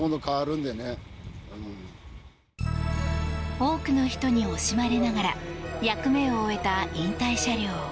多くの人に惜しまれながら役目を終えた引退車両。